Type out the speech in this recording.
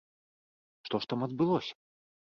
Што ж там адбылося?